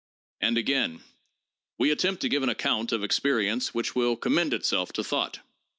And again : "We attempt to give an account of experience which will commend itself to thought.